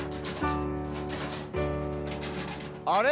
あれ？